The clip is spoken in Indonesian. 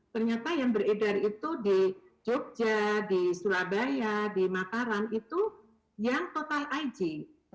ternyata yang beredar itu di jogja di surabaya di mataram itu yang total ig